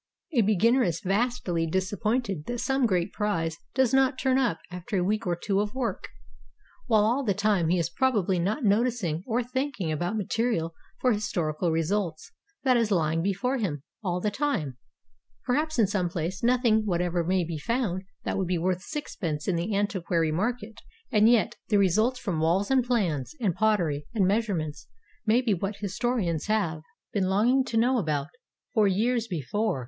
A begin ner is vastly disappointed that some great prize does not turn up after a week or two of work; while all the time he is probably not noticing or thinking about mate rial for historical results that is lying before him all the 80 HOW TO EXCAVATE A BURIED TOWN time. Perhaps in some place nothing whatever may be found that would be worth sixpence in the antiquary market, and yet the results from walls and plans and pottery and measurements may be what historians have been longing to know about for years before.